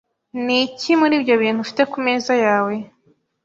Niki muri ibyo bintu ufite kumeza yawe?